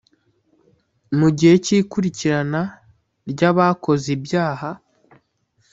Mu gihe cy ikurikirana rya bakoze ibyaha